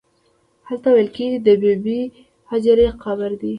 هلته ویل کېږي د بې بي هاجرې قبر دی.